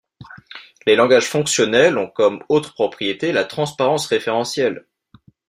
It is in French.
Les langages fonctionnels ont comme autre propriété la transparence référentielle.